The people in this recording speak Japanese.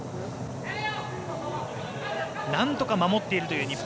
なんとか守っているという日本。